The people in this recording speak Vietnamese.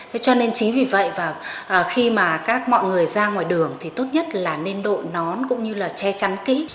thế cho nên chính vì vậy và khi mà các mọi người ra ngoài đường thì tốt nhất là nên đội nón cũng như là che chắn kỹ